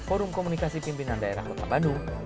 forum komunikasi pimpinan daerah kota bandung